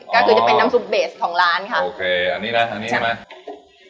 ก็คือจะเป็นน้ำซุปเบสของร้านค่ะโอเคอันนี้นะทางนี้ใช่ไหม